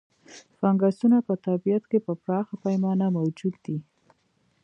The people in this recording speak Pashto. فنګسونه په طبیعت کې په پراخه پیمانه موجود دي.